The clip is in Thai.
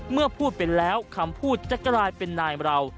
เมื่อพูดเป็นแล้วคำพูดจะกลายเป็นนายเรา